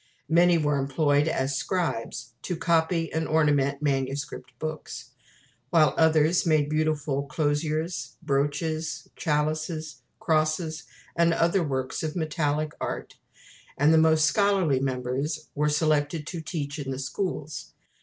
Many were employed as scribes, to copy and ornament manuscript books; while others made beautiful crosiers, brooches, chalices, crosses, and other works of metallic art; and the most scholarly members were selected to teach in the schools.